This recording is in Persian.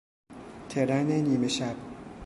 ترن نیمه شب